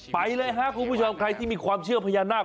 ไปเลยครับคุณผู้ชมใครที่มีความเชื่อพญานาค